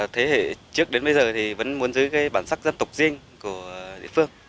thế hệ trước đến bây giờ thì vẫn muốn giữ cái bản sắc dân tộc riêng của địa phương